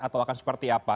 atau akan seperti apa